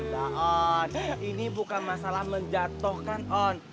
baon ini bukan masalah menjatohkan on